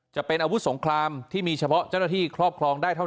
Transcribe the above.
จะเป็นอาวุธสงครามที่มีเฉพาะเจ้าหน้าที่ครอบครองได้เท่านั้น